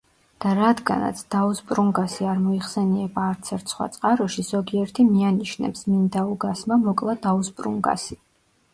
და რადგანაც, დაუსპრუნგასი არ მოიხსენიება არცერთ სხვა წყაროში, ზოგიერთი მიანიშნებს, მინდაუგასმა მოკლა დაუსპრუნგასი.